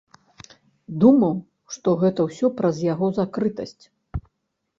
Думаў, што гэта ўсё праз яго закрытасць.